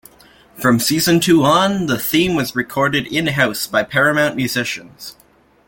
From season two on, the theme was recorded in-house by Paramount musicians.